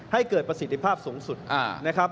ให้เกิดประสิทธิภาพสูงสุดนะครับ